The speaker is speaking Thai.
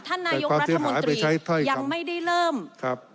ท่านนายกรัฐมนตรียังไม่ได้เริ่มครับ